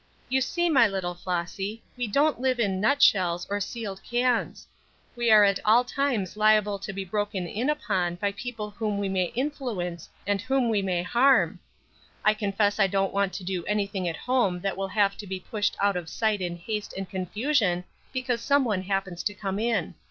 "You see, my little Flossy, we don't live in nutshells or sealed cans; we are at all times liable to be broken in upon by people whom we may influence and whom we may harm. I confess I don't want to do anything at home that will have to be pushed out of sight in haste and confusion because some one happens to come in.